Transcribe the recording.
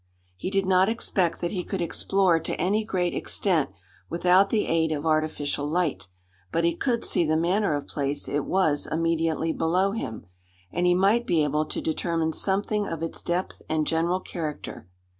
He did not expect that he could explore to any great extent without the aid of artificial light; but he could see the manner of place it was immediately below him, and he might be able to determine something of its depth and general character.